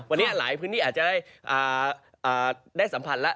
วันนี้หลายพื้นที่อาจจะได้สัมผัสแล้ว